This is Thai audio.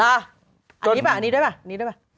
อันนี้ด้วยป่ะอันนี้ด้วยป่ะ